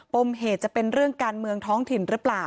มเหตุจะเป็นเรื่องการเมืองท้องถิ่นหรือเปล่า